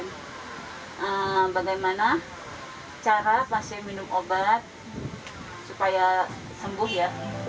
nah bagaimana cara pasien minum obat supaya sembuh ya